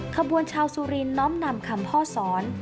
ขบวนชาวสุรินน้อมนำคำพ่อสอน